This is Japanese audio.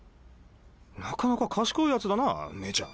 なかなか賢いヤツだな姉ちゃん。